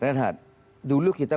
renhad dulu kita